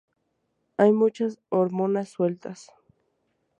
Hay muchas hormonas sueltas.